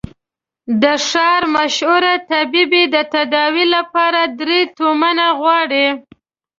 د ښار مشهور طبيب يې د تداوي له پاره درې تومنه غواړي.